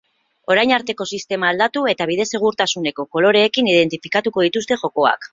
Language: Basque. Orain arteko sistema aldatu eta bide-segurtasuneko koloreekin identifikatuko dituzte jokoak.